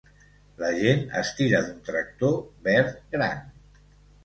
La gent estira d'un tractor verd gran.